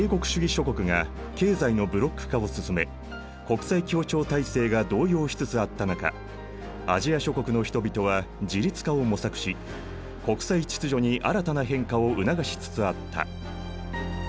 諸国が経済のブロック化を進め国際協調体制が動揺しつつあった中アジア諸国の人々は自立化を模索し国際秩序に新たな変化を促しつつあった。